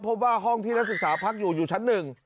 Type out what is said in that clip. พบว่าห้องที่นักศึกษาพักอยู่อยู่ชั้นหนึ่ง